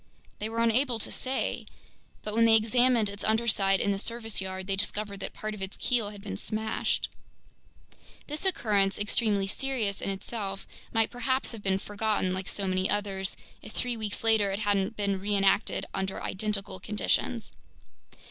They were unable to say. But when they examined its undersides in the service yard, they discovered that part of its keel had been smashed. This occurrence, extremely serious in itself, might perhaps have been forgotten like so many others, if three weeks later it hadn't been reenacted under identical conditions.